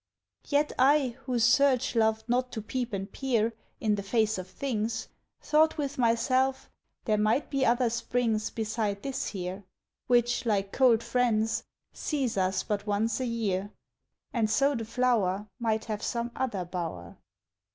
Yet I, whose search loved not to peep and peer In the face of things, Thought with myself, there might be other springs Beside this here, Which, like cold friends, sees us but once a year; And so the flower Might have some other bower.